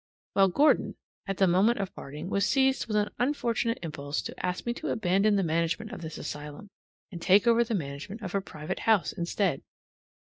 Well, Gordon, at the moment of parting, was seized with an unfortunate impulse to ask me to abandon the management of this asylum, and take over the management of a private house instead.